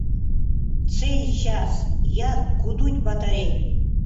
В цей час, як гудуть батарей.